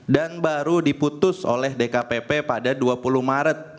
dan baru diputus oleh dkpp pada dua puluh maret dua ribu dua puluh empat